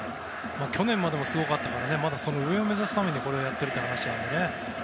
去年までもすごかったからまだその上を目指すためにこれをやっているという話なので。